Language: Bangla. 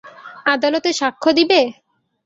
আদালতে সাক্ষ্য দিবে?